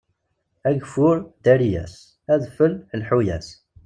Ageffur, ddari-yas; adfel, lḥu-yas.